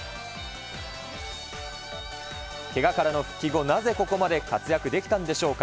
けがからの復帰後、なぜここまで活躍できたんでしょうか。